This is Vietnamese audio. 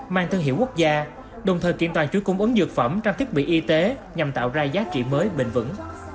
mang thương hiệu quốc gia đồng thời kiểm toàn chuỗi cung ứng dược phẩm trang thiết bị y tế nhằm tạo ra giá trị mới bình vẩn